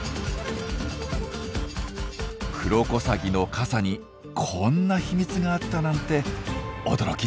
クロコサギの傘にこんな秘密があったなんて驚きです。